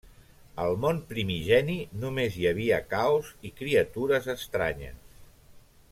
Al món primigeni, només hi havia caos i criatures estranyes.